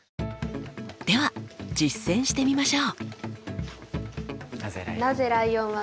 では実践してみましょう！